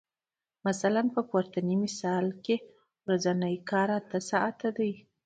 مثلاً په پورتني مثال کې ورځنی کار اته ساعته دی